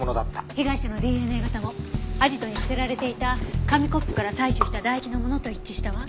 被害者のＤＮＡ型もアジトに捨てられていた紙コップから採取した唾液のものと一致したわ。